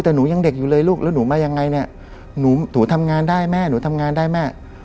แต่หนูยังเด็กอยู่เลยลูกแล้วหนูมายังไงเนี่ยหนูทำงานได้แม่หนูทำงานได้แม่